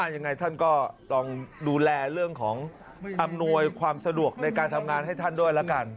ยังไงท่านก็ลองดูแลเรื่องของอำนวยความสะดวกในการทำงานให้ท่านด้วยละกัน